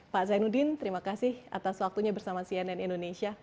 pak zainuddin terima kasih atas waktunya bersama cnn indonesia